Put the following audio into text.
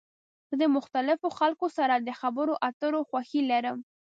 زه د مختلفو خلکو سره د خبرو اترو خوښی لرم.